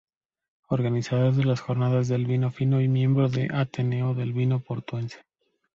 Organizador de las Jornadas del Vino Fino y miembro del Ateneo del Vino Portuense.